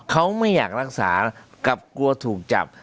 เขาไม่อยากรักษากับกลัวถูกจับ